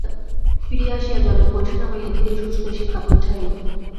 ফিরিয়া আসিয়া জলের কলসি নামাইয়া ধীরেসুস্থে সে কাপড় ছাড়িল।